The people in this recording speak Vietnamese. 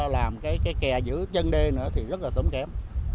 làm cái kè giữ chân đê nữa thì rất là tốn kém